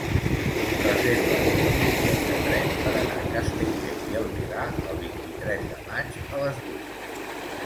Reserva'm un bitllet de tren per anar a Castellbell i el Vilar el vint-i-tres de maig a les vuit.